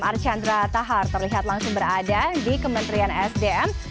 archandra tahar terlihat langsung berada di kementerian sdm